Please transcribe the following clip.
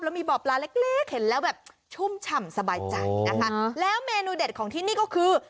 มีบ่อปลาเล็กเล็กเห็นแล้วแบบชุ่มฉ่ำสบายใจนะคะแล้วเมนูเด็ดของที่นี่ก็คือ